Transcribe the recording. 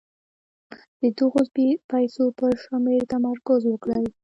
د دغو پيسو پر شمېر تمرکز وکړئ.